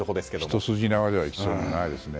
一筋縄ではいきそうにないですね。